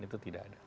itu tidak ada